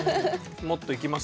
もっといきます？